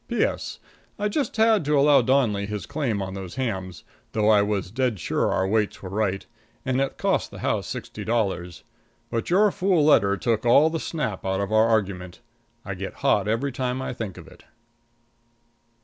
P.S. I just had to allow Donnelly his claim on those hams, though I was dead sure our weights were right, and it cost the house sixty dollars. But your fool letter took all the snap out of our argument. I get hot every time I think of it.